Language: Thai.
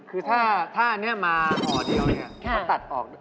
คือถ้าอันนี้มาพอเดียวตัดออก